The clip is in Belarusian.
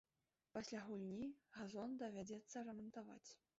Пасля гульні газон давядзецца рамантаваць.